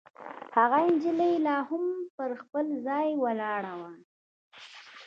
هغه نجلۍ لا هم پر خپل ځای ولاړه وه.